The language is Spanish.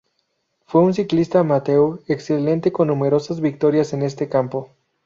Fue un ciclista amateur excelente con numerosas victorias en este campo.